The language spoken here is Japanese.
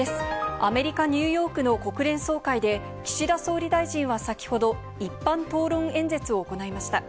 アメリカ・ニューヨークの国連総会で、岸田総理大臣は先ほど、一般討論演説を行いました。